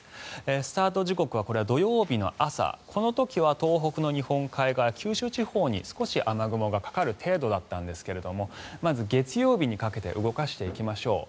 スタート時刻は土曜日の朝この時は東北の日本海側や九州地方に少し雨雲がかかる程度だったんですがまず月曜日にかけて動かしていきましょう。